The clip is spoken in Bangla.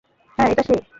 হ্যাঁ, এটা সে।